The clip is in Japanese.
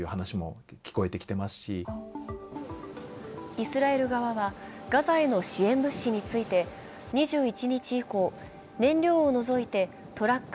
イスラエル側は、ガザへの支援物資について、２１日以降、燃料を除いて、トラック